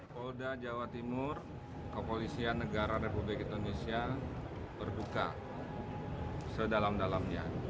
polda jatim kepolisian negara republik indonesia berduka sedalam dalamnya